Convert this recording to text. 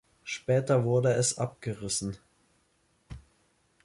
Später wurde es abgerissen.